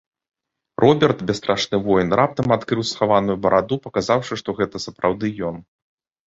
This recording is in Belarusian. Роберт, бясстрашны воін, раптам адкрыў схаваную бараду, паказаўшы, што гэта сапраўды ён.